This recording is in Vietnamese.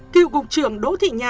cựu cục trưởng đỗ thị nhàn nói rằng